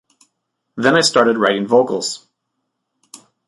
Then I started writing vocals.